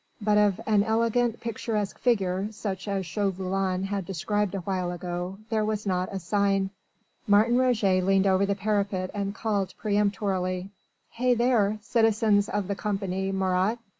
But of an elegant, picturesque figure such as Chauvelin had described awhile ago there was not a sign. Martin Roget leaned over the parapet and called peremptorily: "Hey there! citizens of the Company Marat!"